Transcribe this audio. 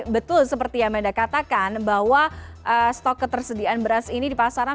betul seperti yang anda katakan bahwa stok ketersediaan beras ini di pasaran